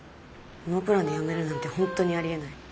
ノープランで辞めるなんて本当にありえない。